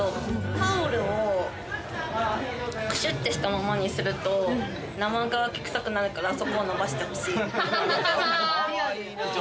タオルをクシュッてしたままにすると生乾き臭くなるから、そこを伸ばしてほしい。